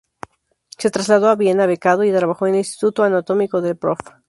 Se trasladó a Viena, becado, y trabajó en el Instituto Anatómico del Prof.